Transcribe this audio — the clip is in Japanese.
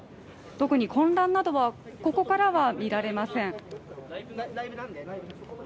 特に混乱などはここからは見られません。